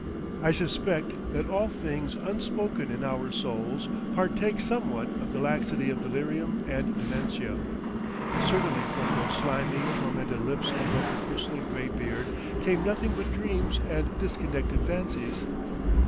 I suspect that all things unspoken in our souls partake somewhat of the laxity of delirium and dementia. Certainly from those slimy, tormented lips above the bristling grey beard came nothing but dreams and disconnected fancies....